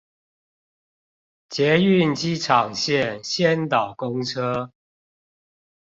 捷運機場線先導公車